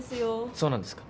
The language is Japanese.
そうなんですか。